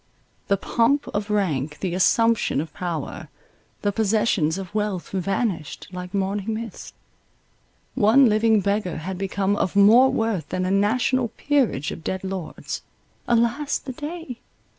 The pomp of rank, the assumption of power, the possessions of wealth vanished like morning mist. One living beggar had become of more worth than a national peerage of dead lords— alas the day!